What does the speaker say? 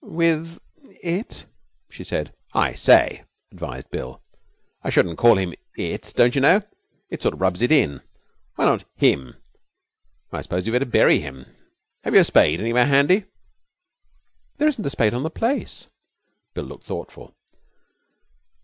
'With it?' she said. 'I say,' advised Bill, 'I shouldn't call him "it," don't you know. It sort of rubs it in. Why not "him"? I suppose we had better bury him. Have you a spade anywhere handy?' 'There isn't a spade on the place.' Bill looked thoughtful.